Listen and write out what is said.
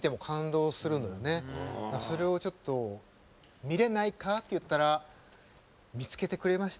それをちょっと見れないかって言ったら見つけてくれました。